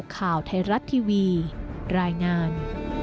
ข่าวไทยรัฐทีวีรายงาน